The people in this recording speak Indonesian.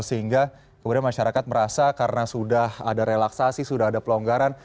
sehingga kemudian masyarakat merasa karena sudah ada relaksasi sudah ada pelonggaran